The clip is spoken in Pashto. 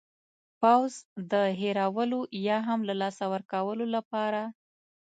پوځ د هېرولو یا هم له لاسه ورکولو لپاره.